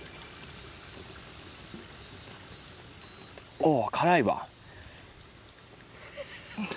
おう、辛いわ。